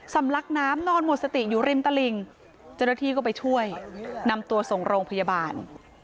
ลักน้ำนอนหมดสติอยู่ริมตลิ่งเจ้าหน้าที่ก็ไปช่วยนำตัวส่งโรงพยาบาล